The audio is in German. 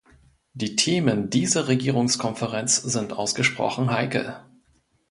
Die Themen dieser Regierungskonferenz sind ausgesprochen heikel.